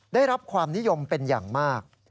ได้รับความนิยมเป็นอย่างมาก